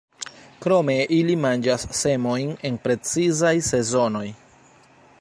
Krome ili manĝas semojn en precizaj sezonoj.